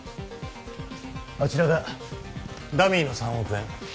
あちらがダミーの３億円